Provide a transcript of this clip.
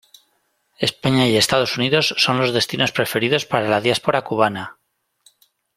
España y Estados Unidos son los destinos preferidos para la diáspora cubana.